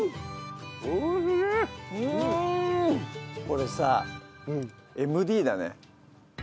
これさＭＤだね。